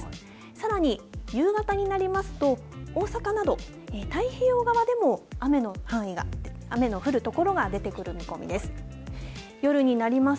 さらに、夕方になりますと、大阪など、太平洋側でも雨の範囲が、雨の降る所が出てくる見込みです。